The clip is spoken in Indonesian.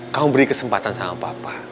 kamu beri kesempatan sama papa